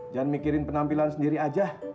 jangan mikirin penampilan sendiri aja